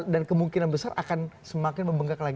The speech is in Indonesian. dan kemungkinan besar akan semakin membengkak lagi